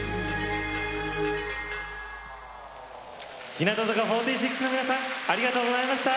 日向坂４６の皆さんありがとうございました。